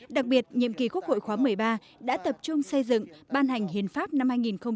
đặc biệt nhiệm kỳ quốc hội khóa một mươi ba đã tập trung xây dựng ban hành hiến pháp năm hai nghìn một mươi ba